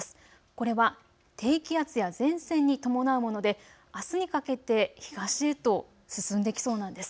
これは低気圧や前線に伴うものであすにかけて東へと進んできそうなんです。